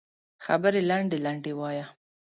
خبرې لنډې لنډې وایه